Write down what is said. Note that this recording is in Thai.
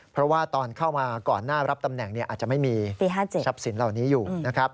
เพราะว่าตอนเข้ามาก่อนหน้ารับตำแหน่งอาจจะไม่มีปี๕๗ทรัพย์สินเหล่านี้อยู่นะครับ